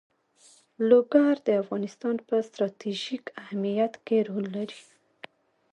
لوگر د افغانستان په ستراتیژیک اهمیت کې رول لري.